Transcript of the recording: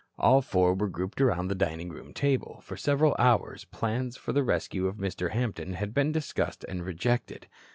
All four were grouped around the dining room table. For several hours plans for the rescue of Mr. Hampton had been discussed and rejected.